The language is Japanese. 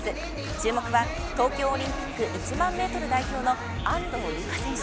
注目は、東京オリンピック１００００メートル代表の安藤友香選手。